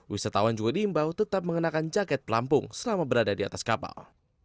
wisatawan juga diimbau tetap mengenakan jaket pelampung selama berada di atas kapal